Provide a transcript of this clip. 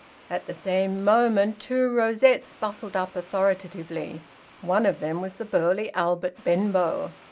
At the same moment two rosettes bustled up authoritatively. One of them was the burly Albert Benbow.